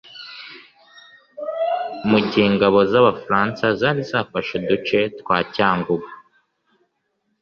Mu gihe ingabo z’Abafaransa zari zafashe uduce twa Cyangugu